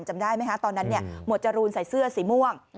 จำได้ไหมคะตอนนั้นหมวดจรูนใส่เสื้อสีม่วง